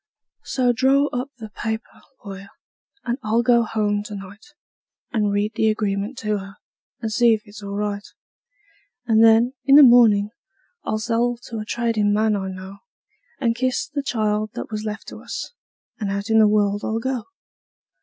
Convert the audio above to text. So draw up the paper, lawyer, and I'll go home to night, And read the agreement to her, and see if it's all right; And then, in the mornin', I'll sell to a tradin' man I know, And kiss the child that was left to us, and out in the world I'll go.